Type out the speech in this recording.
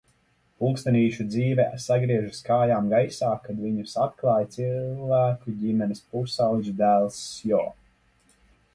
Pulkstenīšu dzīve sagriežas kājām gaisā, kad viņus atklāj cilvēku ģimenes pusaudžu dēls Sjo.